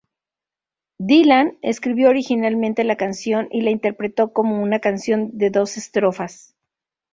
Dylan escribió originalmente la canción y la interpretó como una canción de dos estrofas.